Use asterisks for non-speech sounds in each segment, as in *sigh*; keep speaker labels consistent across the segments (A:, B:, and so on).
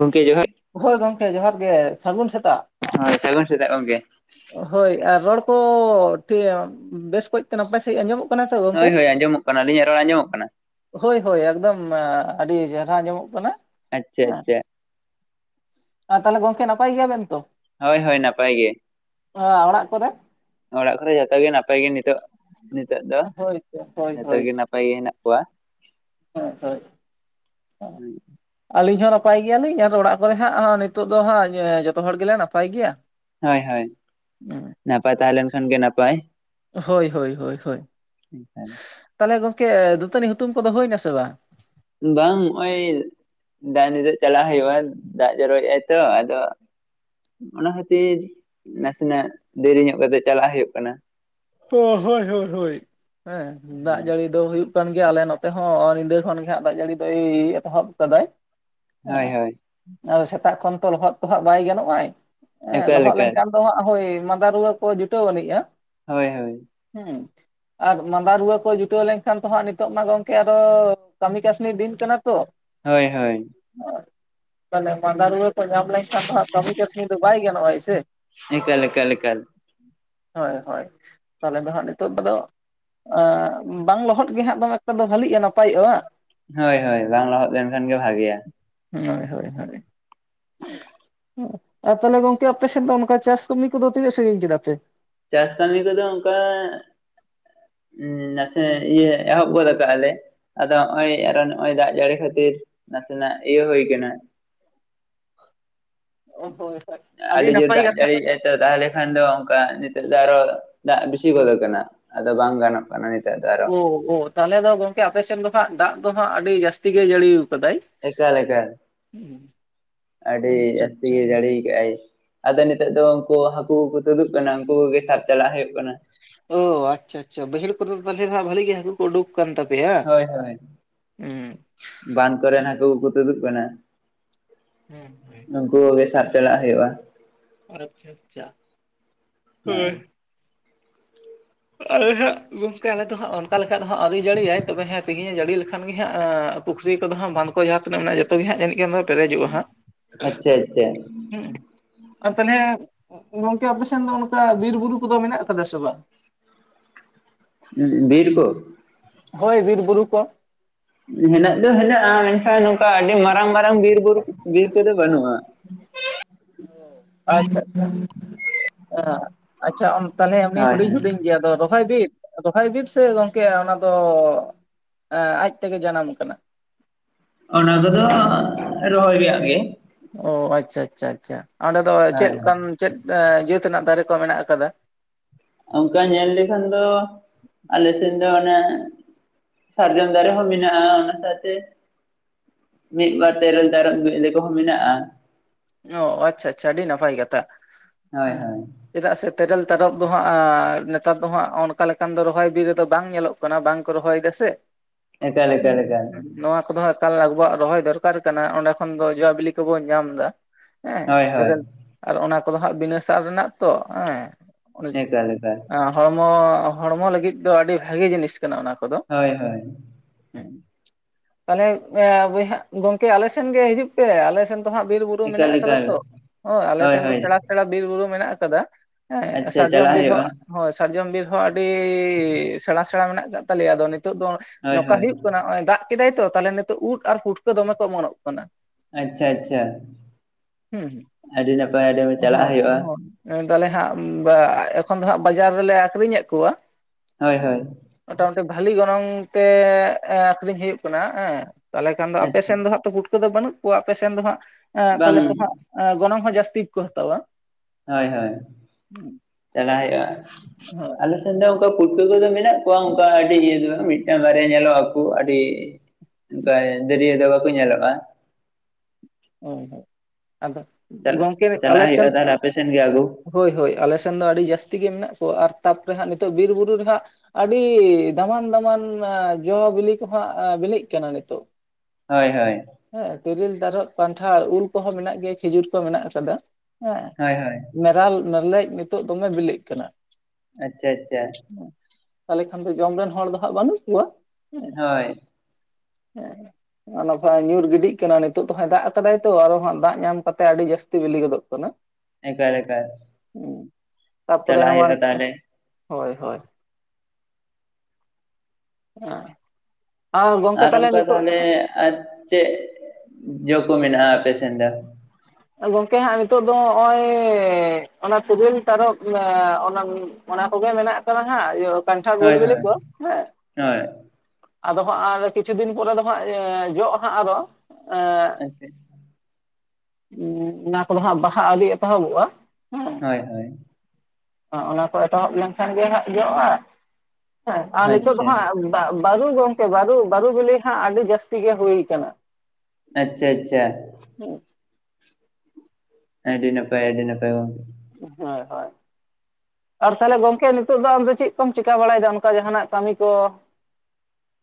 A: ᱜᱚᱢᱠᱮ ᱡᱚᱦᱟᱨ
B: ᱦᱳᱭ ᱜᱚᱢᱠᱮ ᱡᱚᱦᱟᱨ ᱜᱮ ᱥᱟᱹᱜᱩᱱ ᱥᱮᱛᱟᱜ᱾
A: ᱦᱳᱭ ᱥᱟᱹᱜᱩᱱ ᱥᱮᱛᱟᱜ ᱜᱚᱢᱠᱮ᱾
B: ᱦᱳᱭ ᱟᱨ ᱨᱚᱲ ᱠᱚ ᱵᱮᱥᱠᱚᱡᱛᱮ ᱱᱟᱯᱟᱭ ᱥᱟᱺᱦᱤᱡ ᱟᱸᱡᱚᱢᱚᱜ ᱠᱟᱱᱟ ᱛᱚ ᱜᱚᱢᱠᱮ
A: ᱦᱳᱭ ᱦᱳᱭ ᱟᱸᱡᱚᱢᱚᱜ ᱠᱟᱱᱟ᱾ ᱟᱹᱞᱤᱧ ᱟᱜ ᱨᱚᱲ ᱟᱸᱡᱚᱢᱚᱜ ᱠᱟᱱᱟ?
B: ᱦᱳᱭ ᱦᱳᱭ ᱮᱠᱫᱚᱢ ᱟᱹᱰᱤ ᱪᱮᱦᱨᱟ ᱟᱸᱡᱚᱢᱚᱜ ᱠᱟᱱᱟ᱾
A: ᱟᱪᱪᱷᱟ
B: ᱦᱮᱸ
A: ᱟᱪᱪᱷᱟ
B: ᱛᱟᱦᱚᱞᱮ ᱜᱚᱢᱠᱮ ᱱᱟᱯᱟᱭ ᱜᱮᱭᱟ ᱵᱮᱱ ᱛᱚ?
A: ᱦᱳᱭ ᱦᱳᱭ ᱱᱟᱯᱟᱭ ᱜᱮ᱾
B: ᱦᱚᱸ ᱚᱲᱟᱜ ᱠᱚᱨᱮ?
A: ᱚᱲᱟᱜ ᱠᱚᱨᱮ ᱡᱚᱛᱚ ᱜᱮ ᱱᱟᱯᱟᱭ ᱜᱮ ᱱᱤᱛᱚᱜ, ᱱᱤᱛᱚᱜ ᱫᱚ
B: ᱦᱳᱭ ᱛᱚ ᱦᱳᱭ
A: ᱡᱚᱛᱚ
B: ᱦᱳᱭ
A: ᱜᱮ ᱱᱟᱯᱟᱭ᱾ ᱱᱟᱯᱟᱭ ᱜᱮ ᱦᱮᱱᱟᱜ ᱠᱚᱣᱟ᱾
B: ᱦᱳᱭ ᱦᱳᱭ ᱟᱹᱞᱤᱧ ᱦᱚᱸ ᱱᱟᱯᱟᱭ ᱜᱮᱭᱟᱞᱤᱧ ᱟᱨ ᱚᱲᱟᱜ ᱠᱚᱨᱮ ᱦᱟᱸᱜ ᱱᱤᱛᱚᱜ ᱫᱚ ᱦᱟᱸᱜ ᱡᱚᱛᱚ ᱦᱚᱲ ᱜᱮᱞᱮ ᱱᱟᱯᱟᱭ ᱜᱮᱭᱟ᱾
A: ᱦᱳᱭ ᱦᱳᱭ ᱱᱟᱯᱟᱭ ᱛᱟᱦᱮᱸ ᱞᱮᱱ ᱠᱷᱟᱱ ᱜᱮ ᱱᱟᱯᱟᱭ᱾
B: ᱦᱳᱭ ᱦᱳᱭ ᱦᱳᱭ ᱦᱳᱭ᱾
A: *unintelligible*
B: ᱛᱟᱦᱚᱞᱮ ᱜᱚᱝᱠᱮ ᱫᱟᱹᱛᱟᱹᱱᱤ ᱦᱩᱛᱩᱢ ᱠᱚᱫᱚ ᱦᱩᱭᱱᱟᱥᱮ ᱵᱟᱝ
A: ᱵᱟᱝ ᱱᱚᱜᱼᱚᱭ ᱰᱟᱝᱨᱤ ᱪᱟᱞᱟᱣ ᱦᱩᱭᱩᱜᱼᱟ ᱫᱟᱜ ᱡᱚᱨᱚ ᱮᱟᱭ ᱛᱚ ᱟᱫᱚ ᱚᱱᱟ ᱠᱷᱟᱹᱛᱤᱨ ᱱᱟᱥᱮᱱᱟᱜ ᱫᱮᱨᱤ ᱧᱚᱜ ᱠᱟᱛᱮᱜ ᱪᱟᱞᱟᱜ ᱦᱩᱭᱩᱜ ᱠᱟᱱᱟ
B: ᱳ ᱦᱳᱭ ᱦᱳᱭ ᱦᱳᱭ ᱦᱮᱸ ᱫᱟᱜ ᱡᱟᱹᱲᱤ ᱫᱚ ᱦᱩᱭᱩᱜ ᱠᱟᱱ ᱜᱮᱭᱟ ᱟᱞᱮ ᱱᱚᱛᱮ ᱦᱚᱸ ᱧᱤᱫᱟᱹ ᱠᱷᱚᱱᱜᱮ ᱦᱟᱸᱜ ᱫᱟᱜ ᱡᱟᱹᱲᱤ ᱫᱚᱭ ᱮᱛᱚᱦᱚᱵ ᱠᱟᱫᱟᱭ᱾
A: ᱦᱳᱭ
B: ᱦᱮᱸ
A: ᱦᱳᱭ
B: ᱟᱫᱚ ᱥᱮᱛᱟᱜ ᱠᱷᱚᱱ ᱛᱚ ᱞᱚᱦᱚᱫ ᱛᱚᱦᱟᱜ ᱵᱟᱭ ᱜᱟᱱᱚᱜᱟᱭ᱾ ᱦᱮᱸ
A: ᱮᱠᱟᱞ
B: ᱞᱚᱦᱚᱫ
A: ᱮᱠᱟᱞ
B: ᱞᱮᱱᱠᱷᱟᱱ ᱫᱚ ᱦᱟᱸᱜ ᱦᱳᱭ ᱢᱟᱸᱫᱟ ᱨᱩᱣᱟᱹ ᱠᱚ ᱡᱩᱴᱟᱹᱣ ᱟᱹᱱᱤᱡᱼᱟ᱾
A: ᱦᱳᱭ ᱦᱳᱭ᱾
B: ᱦᱮᱸ ᱟᱨ ᱢᱟᱸᱫᱟ ᱨᱩᱣᱟᱹ ᱠᱚ ᱡᱩᱴᱟᱹᱣ ᱞᱮᱱᱠᱷᱟᱱ ᱛᱚ ᱦᱟᱸᱜ ᱱᱤᱛᱚᱜ ᱢᱟ ᱜᱚᱢᱠᱮ ᱟᱫᱚ ᱠᱟᱹᱢᱤ ᱠᱟᱹᱥᱱᱤ ᱫᱤᱱ ᱠᱟᱱᱟ ᱛᱚ᱾
A: ᱦᱳᱭ ᱦᱳᱭ
B: ᱛᱟᱦᱟᱞᱮ ᱢᱟᱸᱫᱟ ᱨᱩᱣᱟᱹ ᱠᱚ ᱧᱟᱢ ᱞᱮᱠᱷᱟᱱ ᱦᱟᱜ ᱠᱟᱹᱢᱤ ᱠᱟᱹᱥᱱᱤ ᱫᱚ ᱵᱟᱭ ᱜᱟᱱᱚᱟᱭ ᱥᱮ
A: ᱮᱠᱟᱞ ᱮᱠᱟᱞ
B: ᱦᱳᱭ ᱦᱳᱭ ᱛᱟᱦᱚᱞᱮ ᱫᱚ ᱦᱟᱸᱜ ᱱᱤᱛᱚᱜ ᱫᱚᱫᱚ ᱵᱟᱝ ᱞᱚᱦᱚᱫ ᱜᱮᱦᱟᱸᱜ ᱫᱚ ᱮᱠᱴᱟ ᱫᱚ ᱵᱷᱟᱞᱤᱜᱼᱟ ᱱᱟᱯᱟᱭᱚᱜᱼᱟ ᱵᱟᱝ
A: ᱦᱳᱭ ᱦᱳᱭ ᱵᱟᱝ ᱞᱚᱦᱚᱫ ᱞᱮᱱᱠᱷᱟᱱ ᱜᱮ ᱵᱷᱟᱜᱮᱭᱟ
B: ᱦᱳᱭ ᱦᱳᱭ ᱦᱳᱭ ᱟᱨ ᱛᱟᱦᱞᱮ ᱜᱚᱝᱠᱮ ᱟᱯᱮ ᱥᱮᱫ ᱫᱚ ᱚᱱᱠᱟ ᱪᱟᱥ ᱠᱟᱹᱢᱤ ᱠᱚᱫᱚ ᱛᱤᱱᱟᱹᱜ ᱥᱮᱨᱮᱤᱧ ᱠᱮᱫᱟ ᱯᱮ
A: ᱪᱟᱥ ᱠᱟᱹᱢᱤ ᱠᱚᱫᱚ ᱚᱱᱠᱟ ᱱᱟᱥᱮ ᱤᱭᱟᱹ ᱮᱦᱚᱵ ᱜᱚᱫ ᱠᱟᱜ ᱞᱮ ᱟᱫᱚ ᱱᱚᱜᱚᱭ ᱟᱨ ᱱᱚᱜᱚᱭ ᱫᱟᱜ ᱡᱟᱹᱲᱤ ᱠᱷᱟᱹᱛᱤᱨ ᱱᱟᱥᱮᱱᱟᱜ ᱤᱭᱟᱹ ᱦᱩᱭ ᱟᱠᱟᱱᱟ
B: ᱚ ᱦᱳᱭ ᱦᱳᱭ
A: ᱟᱹᱰᱤ ᱡᱚᱨ
B: ᱱᱟᱯᱟᱭ
A: ᱫᱟᱜ
B: ᱠᱟᱛᱷᱟ
A: ᱡᱟᱲᱤ ᱮᱫᱟᱭ, ᱫᱟᱜ ᱞᱮᱠᱷᱟᱱ ᱫᱚ ᱚᱱᱠᱟ ᱱᱤᱛᱚᱜ ᱫᱚ ᱟᱨᱚ ᱫᱟᱜ ᱵᱮᱥᱤ ᱜᱚᱫ ᱠᱟᱱᱟ ᱟᱫᱚ ᱵᱟᱝ ᱜᱟᱱᱚᱜ ᱠᱟᱱᱟ ᱱᱤᱛ
B: ᱳᱻᱳᱻ ᱛᱟᱦᱚᱞᱮ ᱫᱚ ᱜᱚᱝᱠᱮ ᱟᱯᱮᱮᱥᱮᱫ ᱫᱚ ᱦᱟᱸᱜ ᱫᱟᱜ ᱫᱚ ᱦᱟᱸᱜ ᱟᱹᱰᱤ ᱡᱟᱹᱥᱛᱤ ᱜᱮ ᱡᱟᱹᱲᱤ ᱟᱠᱟᱫᱟᱭ
A: ᱮᱠᱟᱞ ᱮᱠᱟᱞ ᱟᱹᱰᱤ
B: ᱟᱪᱪᱷᱟ
A: ᱡᱟᱹᱥᱛᱤ
B: ᱟᱪᱪᱷᱟ
A: ᱜᱮ ᱡᱟᱹᱲᱤ ᱠᱮᱼᱟᱭ ᱟᱫᱚ ᱱᱤᱛᱚᱜ ᱫᱚ ᱩᱱᱠᱩ ᱦᱟᱹᱠᱩ ᱠᱚᱠᱚ ᱛᱩᱫᱩᱜ ᱠᱟᱱᱟ ᱩᱱᱠᱩ ᱠᱚᱜᱮ ᱥᱟᱵ ᱪᱟᱞᱟᱜ ᱦᱩᱭᱩᱜ ᱠᱟᱱᱟ
B: ᱚ ᱟᱪᱪᱷᱟ ᱟᱪᱪᱷᱟ ᱵᱟᱭᱦᱟᱹᱲ ᱠᱚ ᱨᱮ ᱛᱟᱦᱚᱞᱮ ᱵᱷᱟᱞᱤ ᱜᱮ ᱦᱟᱠᱩ ᱩᱰᱩᱠ ᱠᱟᱱ ᱛᱟᱯᱮᱭᱟ ᱩᱸ
A: ᱵᱟᱸᱱ ᱠᱚᱨᱮᱱ ᱦᱟᱹᱠᱩ ᱠᱚᱠᱚ ᱛᱩᱫᱩᱜ ᱠᱟᱱᱟ ᱩᱱᱩᱠᱩ ᱜᱮ ᱥᱟᱨ ᱪᱟᱞᱟᱜ ᱦᱩᱭᱩᱜᱼᱟ
B: *unintelligible* ᱟᱞᱮ ᱦᱟᱸᱜ ᱜᱚᱢᱠᱮ ᱟᱞᱮ ᱫᱚ ᱦᱟᱸᱜ ᱚᱱᱠᱟ ᱞᱮᱠᱟ ᱫᱚ ᱦᱟᱸᱜ ᱟᱹᱣᱨᱤ ᱡᱟᱹᱲᱤᱭᱟᱭ ᱛᱚᱵᱮ ᱦᱮᱸ ᱛᱮᱦᱤᱧᱮ ᱡᱟᱹᱲᱤ ᱞᱮᱠᱷᱟᱱ ᱜᱮ ᱦᱟᱸᱜ ᱯᱩᱠᱷᱨᱤ ᱠᱚᱫᱚ ᱦᱟᱸᱜ ᱵᱟᱸᱫᱷ ᱠᱚ ᱡᱟᱦᱟᱸ ᱛᱤᱱᱟᱹᱜ ᱢᱮᱱᱟᱜᱼᱟ ᱡᱚᱛᱚ ᱜᱮ ᱡᱟᱹᱱᱤᱡ ᱯᱮᱨᱮᱡᱚᱜᱼᱟ ᱦᱟᱸᱜ
A: ᱟᱪᱪᱷᱟ ᱟᱪᱪᱷᱟ
B: ᱩᱸ ᱛᱟᱦᱚᱞᱮ ᱜᱚᱝᱠᱮ ᱟᱯᱮ ᱥᱮᱱ ᱫᱚ ᱚᱱᱠᱟ ᱵᱤᱨ ᱵᱩᱨᱩ ᱠᱚᱫᱚ ᱢᱮᱱᱟᱜ ᱠᱟᱫᱟ ᱥᱮ ᱵᱟᱝ
A: ᱵᱤᱨ ᱠᱚ
B: ᱦᱳᱭ ᱵᱤᱨ ᱵᱩᱨᱩ ᱠᱚ
A: ᱦᱮᱱᱟᱹᱜ ᱫᱚ ᱦᱮᱱᱟᱜᱼᱟ ᱢᱮᱱᱠᱷᱟᱱ ᱱᱚᱝᱠᱟ ᱟᱹᱰᱤ ᱢᱟᱨᱟᱝ ᱢᱟᱨᱟᱝ ᱵᱤᱨᱵᱩᱨᱩ ᱵᱤᱨ ᱠᱚᱫᱚ ᱵᱟᱹᱱᱩᱜᱼᱟ
B: *unintelligible* ᱟᱪᱪᱷᱟ ᱛᱟᱦᱚᱞᱮ ᱮᱢᱱᱤ
A: ᱦᱳᱭ
B: ᱦᱩᱰᱤᱧ
A: ᱦᱳᱭ
B: ᱦᱩᱰᱤᱧ ᱜᱮᱭᱟ ᱟᱫᱚ ᱨᱚᱦᱚᱭ ᱵᱤᱨ, ᱨᱚᱦᱟᱭ ᱵᱤᱨ ᱥᱮ ᱜᱚᱝᱠᱮ ᱚᱱᱟ ᱫᱚ ᱟᱡ ᱛᱮᱜᱮ ᱡᱟᱱᱟᱢ ᱟᱠᱟᱱᱟ
A: ᱚᱱᱟ ᱠᱚᱫᱚ ᱨᱚᱦᱚᱭ ᱨᱮᱭᱟᱜ ᱜᱮ
B: ᱚ ᱟᱪᱪᱷᱟ ᱟᱪᱪᱷᱟ ᱟᱪᱪᱷᱟ ᱚᱸᱲᱮ ᱫᱚ
A: ᱦᱳᱭ
B: ᱪᱮᱫ
A: ᱦᱳᱭ
B: ᱞᱮᱠᱟᱱ ᱪᱮᱫ ᱡᱟᱹᱛ ᱨᱮᱱᱟᱜ ᱫᱟᱨᱮ ᱠᱚ ᱢᱮᱱᱟᱜ ᱟᱠᱟᱫᱟ
A: ᱚᱱᱠᱟ ᱧᱮᱞ ᱞᱮᱠᱷᱟᱱ ᱫᱚ ᱟᱞᱮ ᱥᱮᱫ ᱫᱚ ᱚᱱᱮ ᱥᱟᱨᱡᱚᱢ ᱫᱟᱨᱮ ᱦᱚᱸ ᱢᱮᱱᱟᱜᱼᱟ ᱚᱱᱟ ᱥᱟᱶᱛᱮ ᱢᱤᱫ ᱵᱟᱨ ᱛᱮᱨᱮᱞ ᱛᱟᱨᱚᱜ ᱵᱮᱞᱮ ᱠᱚᱦᱚᱸ ᱢᱮᱱᱟᱜᱼᱟ
B: ᱚ ᱟᱪᱪᱷᱟ ᱟᱪᱪᱷᱟ ᱟᱹᱰᱤ ᱱᱟᱯᱟᱭ
A: ᱦᱳᱭ
B: ᱦᱮᱸ
A: ᱦᱳᱭ
B: ᱪᱮᱫᱟᱜ ᱥᱮ ᱛᱮᱨᱮᱞ ᱛᱟᱨᱚᱵ ᱫᱚ ᱦᱟᱸᱜ ᱱᱮᱛᱟᱨ ᱫᱚ ᱦᱟᱸᱜ ᱚᱱᱠᱟ ᱞᱮᱠᱟᱱ ᱫᱚ ᱨᱚᱦᱚᱭ ᱵᱤᱨ ᱨᱮᱫᱚ ᱵᱟᱝ ᱧᱮᱞᱚᱜ ᱠᱟᱱᱟ ᱚᱱᱟ ᱵᱟᱝ ᱠᱚ ᱨᱚᱦᱚᱭ ᱫᱟ ᱥᱮ
A: ᱮᱠᱟᱞ ᱮᱠᱟᱞ ᱮᱠᱟᱞ
B: ᱱᱚᱣᱟ ᱠᱚᱫᱚ ᱦᱟᱸ ᱮᱠᱟᱞ ᱟᱵᱚᱣᱟᱜ ᱨᱚᱦᱚᱭ ᱫᱚᱨᱠᱟᱨ ᱠᱟᱱᱟ ᱚᱸᱱᱰᱮ ᱠᱷᱚᱱ ᱫᱚ ᱡᱚ ᱵᱤᱞᱤ ᱠᱚᱵᱚᱱ ᱧᱟᱢ ᱫᱟ ᱦᱮᱸ
A: ᱦᱳᱭ ᱦᱳᱭ
B: ᱯᱨᱮᱱ ᱟᱨ ᱚᱱᱟ ᱠᱚᱫᱚ ᱦᱟᱸᱜ ᱵᱤᱱᱟᱹ ᱥᱟᱨ ᱨᱮᱱᱟᱜ ᱛᱚ ᱦᱮᱸ
A: ᱮᱠᱟᱞ ᱮᱠᱟᱞ
B: ᱦᱚᱲᱢᱚ ᱦᱚᱲᱢᱚ ᱞᱟᱹᱜᱤᱫ ᱫᱚ ᱟᱹᱰᱤ ᱵᱷᱟᱜᱤ ᱡᱤᱱᱤᱥ ᱠᱟᱱᱟ ᱚᱱᱟ ᱠᱚᱫᱚ
A: ᱦᱳᱭ ᱻ ᱦᱳᱭ
B: ᱦᱮᱸ ᱛᱟᱞᱮ ᱵᱚᱭᱦᱟ, ᱜᱚᱝᱠᱮ ᱟᱞᱮ ᱥᱮᱱ ᱜᱮ ᱦᱤᱡᱩᱜ ᱯᱮ ᱟᱞᱮᱥᱮᱱ ᱫᱚ ᱦᱟᱸᱜ ᱵᱤᱨ ᱵᱩᱨᱩ ᱵᱩᱨᱩ
A: ᱮᱠᱟᱞ
B: ᱢᱮᱱᱟᱜ ᱠᱟᱫᱟ
A: ᱮᱠᱟᱞ
B: ᱛᱚ, ᱟᱞᱮ
A: ᱦᱳᱭ
B: ᱴᱷᱮᱱ ᱫᱚ
A: ᱦᱳᱭ
B: ᱥᱮᱬᱟ ᱥᱮᱬᱟ ᱵᱤᱨ ᱵᱩᱨᱩ ᱢᱮᱱᱟᱜ ᱟᱠᱟᱫᱟ ᱦᱮᱸ
A: ᱟᱪᱪᱷᱟ
B: ᱥᱟᱨᱡᱚᱢ
A: ᱪᱟᱞᱟᱜ
B: ᱵᱤᱨ ᱦᱚ
A: ᱦᱩᱭᱩᱜᱼᱟ
B: ᱦᱳᱭ ᱥᱟᱨᱡᱚᱢ ᱵᱤᱨ ᱦᱚᱸ ᱟᱹᱰᱤ, ᱥᱮᱬᱟ ᱥᱮᱬᱟ ᱢᱮᱱᱟᱜ ᱟᱠᱟᱫ, ᱛᱟᱞᱮᱭᱟ ᱟᱫᱚ ᱱᱤᱛᱚᱜ ᱫᱚ
A: ᱦᱳᱭ
B: ᱱᱚᱝᱠᱟ
A: ᱦᱳᱭ
B: ᱦᱩᱭᱩᱜ ᱠᱟᱱᱟ ᱱᱚᱜᱚᱭ ᱫᱟᱜ ᱠᱮᱫᱟᱭ ᱛᱚ ᱛᱟᱦᱞᱮ ᱱᱤᱛᱳᱜ ᱩᱫ ᱟᱨ ᱯᱩᱴᱠᱟᱹ ᱫᱚᱢᱮ ᱠᱚ ᱚᱢᱚᱱᱚᱜ ᱠᱟᱱᱟ
A: ᱟᱪᱪᱷᱟ ᱟᱪᱪᱷᱟ
B: ᱦᱩᱸ
A: ᱟᱹᱰᱤ ᱱᱟᱯᱟᱭ ᱟᱹᱰᱤ *unintelligible* ᱪᱟᱞᱟᱜ ᱦᱩᱭᱩᱜᱼᱟ
B: ᱛᱟᱞᱮ ᱦᱟᱸᱜ ᱮᱠᱷᱚᱱ ᱫᱚ ᱦᱟᱸᱜ ᱵᱟᱡᱟᱨ ᱨᱮᱞᱮ ᱟᱠᱷᱨᱤᱧᱮᱫ ᱠᱚᱣᱟ
A: ᱦᱳᱭ ᱦᱳᱭ
B: ᱢᱚᱴᱟ ᱢᱩᱴᱤ ᱵᱷᱟᱞᱤ ᱜᱚᱱᱚᱝ ᱛᱮ ᱟᱠᱷᱨᱤᱧ ᱦᱩᱭᱩᱜ ᱠᱟᱱᱟ ᱦᱮᱸ ᱛᱟᱦᱚᱞᱮ ᱠᱷᱟᱱ ᱫᱚ ᱟᱯᱮ
A: ᱟᱪᱪᱷᱟ
B: ᱥᱮᱱ ᱫᱚ ᱦᱟᱸᱜ ᱯᱩᱴᱠᱟᱹ ᱫᱚ ᱵᱟᱹᱱᱩᱜ ᱠᱚᱣᱟ ᱟᱯᱮ ᱥᱮᱱ ᱫᱚ ᱦᱟᱸᱜ ᱮ
A: ᱵᱟᱝ
B: ᱛᱟᱦᱮ ᱫᱚᱦᱟᱸᱜ ᱜᱚᱱᱚᱝ ᱦᱚᱸ ᱡᱟᱹᱥᱛᱤ ᱜᱮᱠᱚ ᱦᱟᱛᱟᱣᱟ
A: ᱦᱳᱭ ᱦᱳᱭ ᱪᱟᱞᱟᱜ ᱦᱩᱭᱩᱜᱼᱟ,
B: ᱦᱳᱭ
A: ᱟᱞᱮ ᱥᱮᱱ ᱫᱚ ᱚᱱᱠᱟ ᱯᱩᱴᱟᱹ ᱠᱚᱫᱚ ᱢᱮᱜ ᱢᱮᱱᱟᱜ ᱠᱚᱣᱟ ᱚᱱᱠᱟ ᱟᱹᱰᱤ ᱤᱭᱟᱹ ᱫᱚ ᱵᱟᱝ ᱢᱤᱫ ᱢᱤᱫᱴᱟᱝ ᱵᱟᱨᱭᱟ ᱧᱮᱞᱚᱜ ᱟᱠᱚ ᱟᱹᱰᱤ ᱚᱱᱠᱟ ᱫᱟᱹᱨᱭᱟᱹ ᱫᱚ ᱵᱟᱠᱚ ᱧᱮᱞᱚᱜᱼᱟ
B: ᱦᱳᱭ ᱦᱳᱭ ᱟᱫᱚ
A: ᱪᱟᱞ
B: ᱜᱚᱝᱠᱮ
A: ᱪᱟᱞᱟᱜ
B: ᱟᱞᱮ ᱥᱮᱱ
A: ᱦᱩᱭᱩᱜ-ᱟ ᱟᱯᱮ ᱥᱮᱱ ᱜᱮ ᱟ. ᱜᱩ
B: ᱦᱳᱭ ᱦᱳᱭ ᱟᱞᱮᱮᱥᱮᱱ ᱫᱚ ᱟᱹᱰᱤ ᱦᱚᱭ ᱦᱚᱭ ᱦᱚᱭ ᱟᱞᱮ ᱥᱮᱱ ᱟᱰᱤ, ᱡᱟᱹᱥᱛᱤ ᱜᱮ ᱢᱮᱱᱟᱜ ᱠᱚᱣᱟ ᱟᱨ ᱛᱟᱯᱚᱨᱮ ᱦᱜ ᱱᱤᱛᱚᱜ ᱵᱤᱨ ᱵᱩᱨᱩ ᱨᱮ ᱦᱟᱸᱜ ᱟᱹᱰᱤ ᱫᱟᱢᱟᱱ ᱫᱟᱢᱟᱱ ᱡᱚ ᱵᱤᱞᱤ ᱠᱚᱦᱟᱸᱜ ᱵᱤᱞᱤᱜ ᱠᱟᱱᱟ ᱱᱤᱛᱚᱜ,
A: ᱦᱳᱭ ᱦᱳᱭ
B: ᱦᱮᱸ ᱛᱨᱮᱞ ᱛᱟᱨᱚᱫ ᱯᱟᱱᱴᱷᱟᱲ ᱩᱞ ᱠᱚᱦᱚᱸ ᱢᱮᱱᱟᱜ ᱜᱮᱭᱟ ᱠᱷᱤᱡᱩᱨ ᱠᱚ ᱢᱮᱱᱟᱜ ᱟᱠᱟᱫᱟ ᱦᱮᱸ
A: ᱦᱳᱭ ᱦᱳᱭ
B: ᱢᱮᱨᱟᱞ ᱢᱮᱨᱞᱮᱡ ᱱᱤᱛᱚᱜ ᱫᱚᱢᱮ ᱵᱮᱞᱮᱜ ᱠᱟᱱᱟ
A: ᱟᱪᱪᱷᱟ ᱟᱪᱪᱷᱟ
B: ᱛᱟᱦᱞᱮ ᱠᱷᱟᱱ ᱫᱚ ᱡᱚᱢ ᱨᱮᱱ ᱦᱚᱲ ᱫᱚ ᱦᱟᱜ ᱵᱟᱹᱱᱩᱜ ᱠᱚᱣᱟ ᱦᱮᱸ
A: ᱦᱳᱭ
B: ᱚᱱᱟᱥ ᱧᱩᱨ ᱜᱤᱰᱤᱜ ᱠᱟᱱᱟ ᱱᱤᱛᱚᱜ ᱛᱚ ᱦᱟᱸᱜ ᱫᱟᱜ ᱠᱟᱫᱟᱭ ᱛᱚ ᱟᱨᱚ ᱦ ᱫᱟᱜ ᱧᱟᱢ ᱠᱟᱛᱮᱜ ᱟᱹᱰᱤ ᱡᱟᱹᱥᱛᱤ ᱵᱤᱞᱤ ᱜᱚᱫᱚᱜ ᱠᱟᱱᱟ
A: ᱮᱠᱟᱞ ᱮᱠᱟᱞ
B: ᱛᱟᱨ ᱯᱚᱨᱮ
A: ᱪᱟᱞᱟᱜ
B: ᱱᱚᱶᱟ
A: ᱦᱩᱭᱩᱜᱼᱟ ᱛᱟᱦᱚᱞᱮ
B: ᱦᱳᱭ ᱦᱳᱭ ᱦᱮ
A: ᱟᱨ ᱚᱱᱠᱟ ᱛᱟᱦᱚᱞᱮ ᱟᱨ ᱪᱮᱫ ᱡᱚ ᱠᱚ ᱢᱮᱱᱟᱜᱼᱟ ᱟᱯ ᱥᱮᱱ ᱫᱚ?
B: ᱜᱚᱝᱠᱮ ᱦᱟᱸᱜ ᱱᱤᱛᱚᱜ ᱫᱚ ᱦᱚᱜᱼᱚᱭ ᱚᱱᱟ ᱛᱤᱨᱤᱞ ᱛᱟᱨᱚᱵ ᱚᱱᱟ ᱚᱱᱟ ᱠᱚᱜᱮ ᱢᱮᱱᱟᱜ ᱠᱟᱫᱟ ᱦᱟᱸᱜ ᱤᱭᱟᱹ ᱠᱟᱱᱴᱷᱟᱲ
A: ᱦᱳᱭ
B: ᱩᱞ ᱵᱤᱞᱤ
A: ᱦᱳᱭ
B: ᱠᱚ ᱦᱮᱸ
A: ᱦᱳᱭ
B: ᱟᱫᱚ ᱦᱟᱸᱜ ᱟᱨ ᱠᱤᱪᱷᱩ ᱫᱤᱱ ᱯᱚᱨᱮ ᱫᱚ ᱦᱟᱸᱜ ᱡᱚᱜ ᱦᱟᱸᱜ ᱟᱫᱚ ᱮᱫ
A: *inaudible*
B: ᱩ ᱚᱱᱟ ᱠᱚᱫᱚ ᱦᱟᱸᱜ ᱵᱟᱦᱟ ᱟᱹᱣᱨᱤ ᱮᱛᱚᱦᱚᱵᱚᱜᱼᱟ ᱦᱮᱸ
A: ᱦᱳᱭ ᱦᱳᱭ
B: ᱚᱱᱟ ᱠᱚ ᱮᱛᱚᱦᱚᱵ ᱞᱮᱱᱠᱷᱟᱱ ᱜᱮ ᱦᱟᱸᱜ ᱡᱚᱜᱼᱟ ᱦᱮᱸ ᱟᱨ ᱱᱤᱛᱚᱜ ᱫᱚ
A: ᱟᱪᱪᱷᱟ
B: ᱦᱟᱸᱜ ᱵᱟᱹᱨᱩ ᱜᱚᱝᱠᱮ ᱵᱟᱹᱨᱩ ᱵᱟᱹᱨᱩ ᱵᱤᱞᱤ ᱦᱟᱸᱜ ᱟᱹᱰᱤ ᱡᱟᱹᱥᱛᱤ ᱜᱮ ᱦᱩᱭ ᱠᱟᱱᱟ
A: ᱟᱪᱪᱷᱟ ᱟᱪᱪᱷᱟ
B: *unintelligible*
A: ᱟᱹᱰᱤ ᱱᱟᱯᱟᱭ ᱟᱹᱰᱤ ᱱᱟᱯᱟᱭ ᱜᱚᱢᱠᱮ
B: ᱦᱳᱭ ᱦᱳᱭ ᱟᱨ ᱛᱟᱦᱚᱞᱮ ᱜᱚᱝᱠᱮ ᱱᱤᱛᱚᱜ ᱫᱚ ᱟᱢᱫᱚ ᱪᱮᱫ ᱠᱚᱢ ᱪᱤᱠᱟ ᱵᱟᱲᱟᱭ ᱮᱫᱟ ᱚᱱᱠᱟ ᱡᱟᱦᱟᱸ ᱱᱟᱜ ᱠᱟᱹᱢᱤ ᱠᱚ